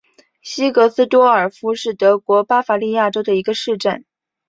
西格斯多尔夫是德国巴伐利亚州的一个市镇。